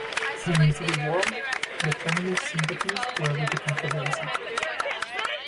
During the Civil War, the family's sympathies were with the Confederacy.